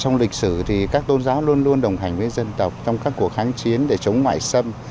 trong lịch sử thì các tôn giáo luôn luôn đồng hành với dân tộc trong các cuộc kháng chiến để chống ngoại xâm